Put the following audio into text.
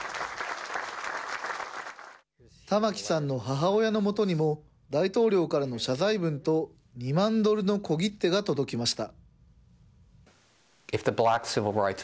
タマキさんの母親のもとにも、大統領からの謝罪文と２万ドルの小切手が届きました。